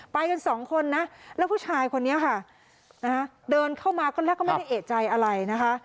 ไปกันสองคนนะแล้วผู้ชายคนนี้ค่ะนะฮะเดินเข้ามาก็แรกก็ไม่ได้เอกใจอะไรนะคะ